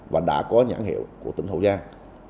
và đã có nhãn hiệu của tỉnh hậu giang